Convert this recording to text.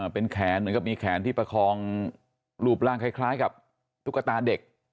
เป็นแขนเหมือนกับมีแขนที่ประคองรูปร่างคล้ายกับตุ๊กตาเด็ก